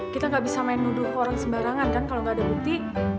kita gak bisa main nuduh orang sembarangan kan kalau gak ada bukti